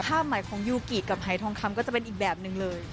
ใหม่ของยูกิกับหายทองคำก็จะเป็นอีกแบบหนึ่งเลย